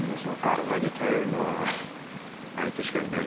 お互いに頼れるのは相手しかいない。